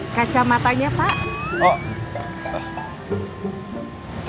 gimana keadaan pak regar